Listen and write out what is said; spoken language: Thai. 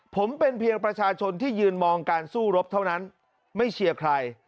ผมเป็นเพียงประชาชนที่ยืนมองการสู้รบเท่านั้นไม่เชียร์ใคร